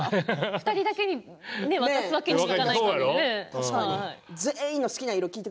２人だけに渡すわけにはいかないですよね。